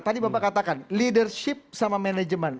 tadi bapak katakan leadership sama manajemen